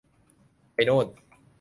ไปโน่น